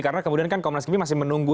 karena kemudian kan komnas kipi masih menunggu